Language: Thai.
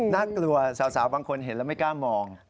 น่ากลัวสาวบางคนเห็นแล้วไม่กล้ามอง